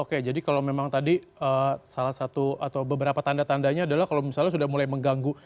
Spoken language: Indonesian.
oke jadi kalau memang tadi salah satu atau beberapa tanda tandanya adalah kalau misalnya sudah mulai mengganggu